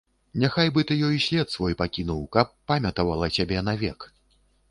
Няхай бы ты ёй след свой пакінуў, каб памятавала цябе навек.